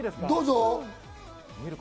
どうぞ。